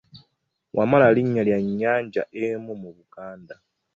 Wamala linnya lya nnyanja emu mu Buganda.